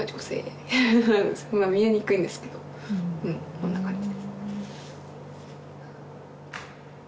そんな感じです。